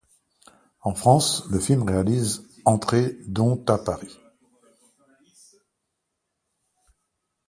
En France, le film réalise entrées dont à Paris.